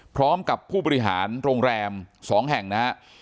พร้อมกับผู้บริหารโรงแรม๒แห่งนะฮะ